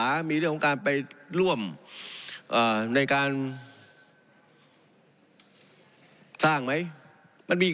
อ่ะเอาทางมากว่านี้เนี่ย